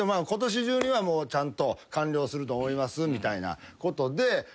今年中にはちゃんと完了すると思いますみたいなことで。